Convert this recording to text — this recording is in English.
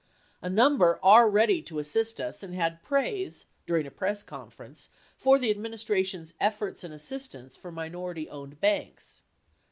A number are ready to assist us and had praise, during a press conference, for the Adminis tration's efforts and assistance for minority owned banks.